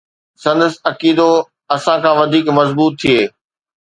سندس عقيدو اسان کان وڌيڪ مضبوط ٿئي